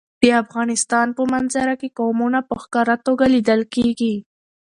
د افغانستان په منظره کې قومونه په ښکاره توګه لیدل کېږي.